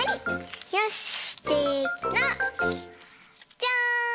じゃん！